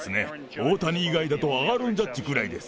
大谷以外だとアーロン・ジャッジくらいです。